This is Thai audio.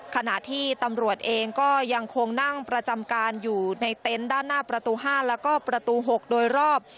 ขณะที่ตำรวจเองก็ยังคงนั่งประจำการอยู่ในเต็นต์ด้านหน้าประตู๕แล้วก็ประตู๖โดยรอบ